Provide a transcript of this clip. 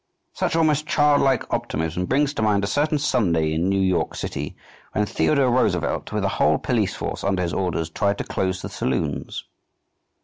Such almost childlike optimism brings to mind a certain Sunday in New York City when Theodore Roosevelt, with the whole police force under his orders, tried to close the saloons.